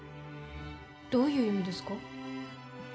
どういう意味ですか？